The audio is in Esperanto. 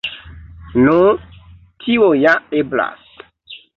Nu, tio ja eblas.